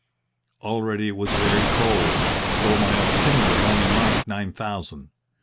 Already it was very cold, though my altimeter only marked nine thousand.